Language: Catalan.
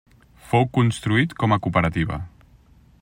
Fou construït com a cooperativa.